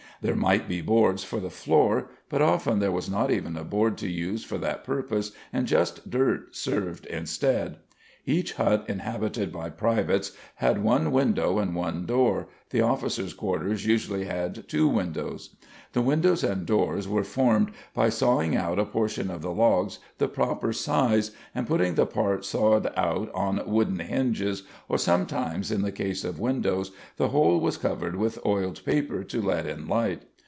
There might be boards for the floor, but often there was not even a board to use for that purpose and just dirt served instead. Each hut inhabited by privates had one window and one door, the officers quarters usually had two windows. The windows and doors were formed by sawing out a portion of the logs the proper size and putting the part sawed out on wooden hinges or sometimes in the case of windows the hole was covered with oiled paper to let in light.